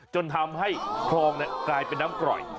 จนทำให้คลองกลายเป็นน้ำกร่อย